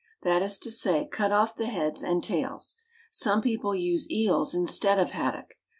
That is to say: cut off the heads and tails. Some people use eels in stead of haddock.